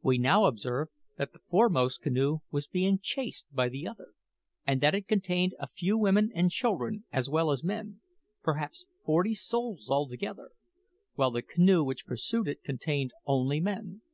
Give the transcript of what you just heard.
We now observed that the foremost canoe was being chased by the other, and that it contained a few women and children as well as men perhaps forty souls altogether while the canoe which pursued it contained only men.